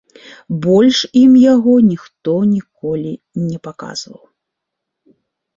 Больш ім яго ніхто ніколі не паказваў.